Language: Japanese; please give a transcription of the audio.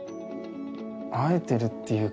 会えてるっていうか。